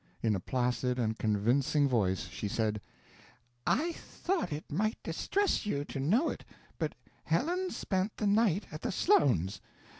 In a placid and convincing voice she said: "I thought it might distress you to know it, but Helen spent the night at the Sloanes'.